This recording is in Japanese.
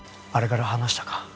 あれから話したか？